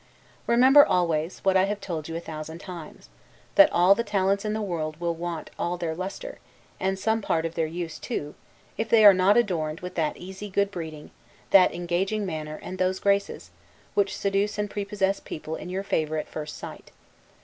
Remember always, what I have told you a thousand times, that all the talents in the world will want all their lustre, and some part of their use too, if they are not adorned with that easy good breeding, that engaging manner, and those graces, which seduce and prepossess people in your favor at first sight.